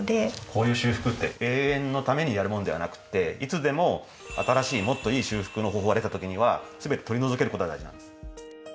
こういう修復って永遠のためにやるものではなくていつでも新しいもっといい修復の方法が出た時には全て取り除けることが大事なんです。